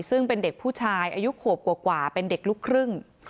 ซึ่งเป็นเด็กผู้ชายอายุขวบกว่าเป็นเด็กลูกครึ่ง